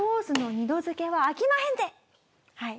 はい。